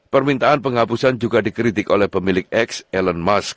permintaan penghapusan juga dikritik oleh pemilik x elon musk